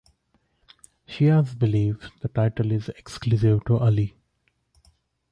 Shias believe the title is exclusive to Ali.